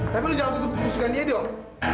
tapi lu jangan tutup kepusukan dia dong